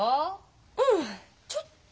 うんちょっとね。